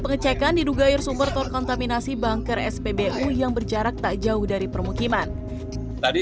pengecekan diduga air sumber terkontaminasi banker spbu yang berjarak tak jauh dari permukiman tadi